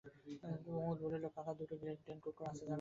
কুমুদ বলিল, কাকার দুটো গ্রেট ডেন কুকুর আছে জানিস?